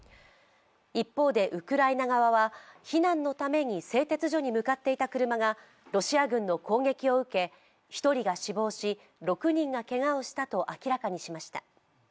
一方で、ウクライナ側は避難のために製鉄所に向かっていた車がロシア軍の攻撃を受け、１人が死亡し、６人がけがをしたと明らかにしました。